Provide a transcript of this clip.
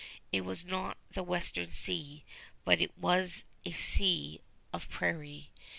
It was not the Western Sea, but it was a Sea of Prairie.